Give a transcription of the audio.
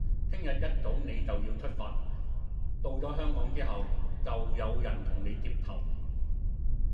聽日一早你就要出發，到咗香港之後，就有人同你接頭